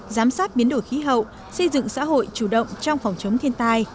giám sát biến đổi khí hậu xây dựng xã hội chủ động trong phòng chống thiên tai